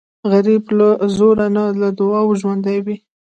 غریب له زوره نه، له دعاو ژوندی وي